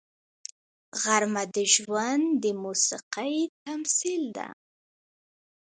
غرمه د ژوند د موسیقۍ تمثیل ده